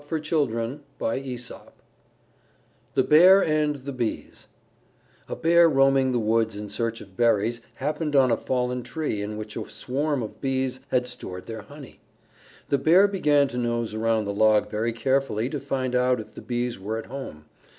_ THE BEAR AND THE BEES A Bear roaming the woods in search of berries happened on a fallen tree in which a swarm of Bees had stored their honey. The Bear began to nose around the log very carefully to find out if the Bees were at home.